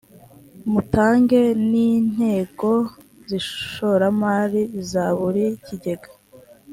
mutange n’intego z’ishoramari za buri kigega